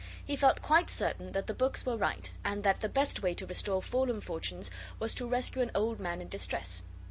He felt quite certain that the books were right, and that the best way to restore fallen fortunes was to rescue an old gentleman in distress.